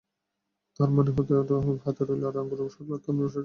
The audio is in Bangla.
তার মানে হাতে রইলো হয় আঙ্গুরের সরলতা বা আনারসের জটিলতা।